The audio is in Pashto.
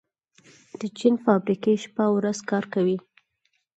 د چین فابریکې شپه او ورځ کار کوي.